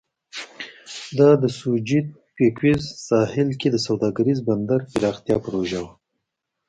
دا د سوچیتپیکویز ساحل کې د سوداګریز بندر پراختیا پروژه وه.